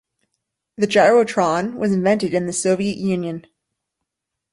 The gyrotron was invented in the Soviet Union.